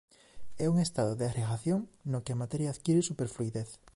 É un estado de agregación no que a materia adquire superfluidez.